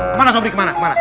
kemana sobri kemana